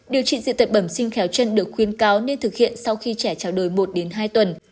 điều trị diện tật bẩm sinh khéo chân được khuyên cáo nên thực hiện sau khi trẻ trào đổi một hai tuần